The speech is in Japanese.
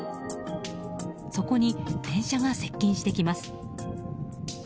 そこに電車が接近してきます。